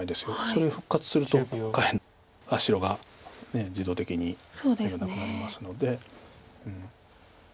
それ復活すると下辺白が自動的に眼がなくなりますので。